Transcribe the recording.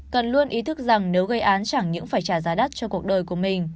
cần luôn ý thức rằng nếu gây án chẳng những phải trả giá đắt cho cuộc đời của mình